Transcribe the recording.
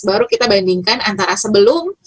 baru kita bandingkan antara sebelum